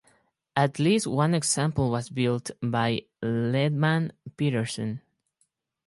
At least one example was built, by Lehmann-Peterson.